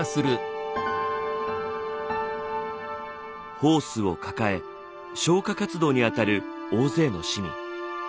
ホースを抱え消火活動に当たる大勢の市民。